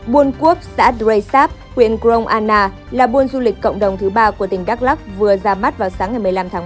buôn quốc xã drei sáp huyện crong anna là buôn du lịch cộng đồng thứ ba của tỉnh đắk lắk vừa ra mắt vào sáng ngày một mươi năm tháng ba